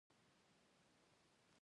بوډۍ ماريا د بوسلمانې په نوم ياده کړه.